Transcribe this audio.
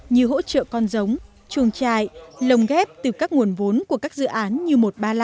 như hỗ trợ con giống chuồng trại lồng ghép từ các nguồn vốn của các dự án như một trăm ba mươi năm